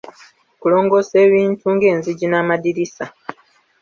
Kulongoosa ebintu ng'enzijji n'amadirisa.